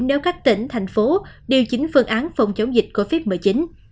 nếu các tỉnh thành phố điều chỉnh phương án phòng chống dịch covid một mươi chín